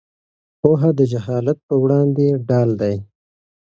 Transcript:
پوهه د جهالت پر وړاندې ډال دی.